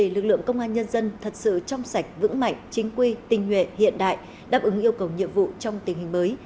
lực lượng công an nhân dân thật sự trong sạch vững mạnh chính quy tình nguyện hiện đại đáp ứng yêu cầu nhiệm vụ trong tình hình mới